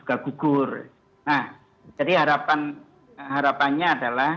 kebetulan masih beku demi weil